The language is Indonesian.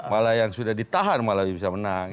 malah yang sudah ditahan malah bisa menang